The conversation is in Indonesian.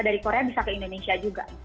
dari korea bisa ke indonesia juga